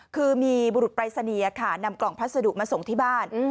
คือมีบุรุษปรายศนียค่ะนำกล่องพัสดุมาส่งที่บ้าน